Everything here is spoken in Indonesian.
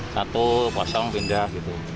satu kosong pindah